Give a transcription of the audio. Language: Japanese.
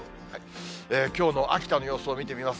きょうの秋田の様子を見てみます。